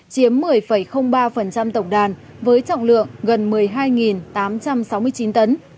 chiếm một mươi ba tổng đàn với trọng lượng gần một mươi hai tám trăm sáu mươi chín tấn